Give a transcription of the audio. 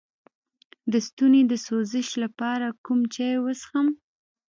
د ستوني د سوزش لپاره کوم چای وڅښم؟